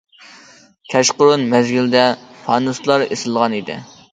كەچقۇرۇن مەزگىلدە پانۇسلار ئېسىلغان ئىدى.